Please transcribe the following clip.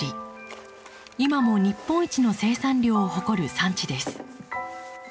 今も日本一の生産量を誇る産地です。